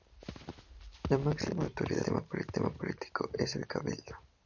La máxima autoridad de su sistema político es el cabildo.